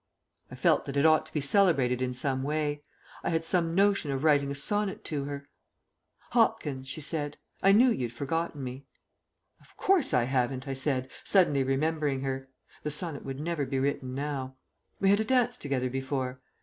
I felt that it ought to be celebrated in some way. I had some notion of writing a sonnet to her. "Hopkins," she said; "I knew you'd forgotten me." "Of course I haven't," I said, suddenly remembering her. The sonnet would never be written now. "We had a dance together before."